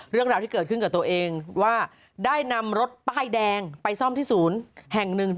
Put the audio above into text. เรื่องราวที่เกิดขึ้นกับตัวเองว่าได้นำรถป้ายแดงไปซ่อมที่ศูนย์แห่งหนึ่ง